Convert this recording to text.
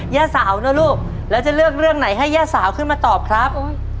ย่าสาวนะลูกแล้วจะเลือกเรื่องไหนให้ย่าสาวขึ้นมาตอบครับ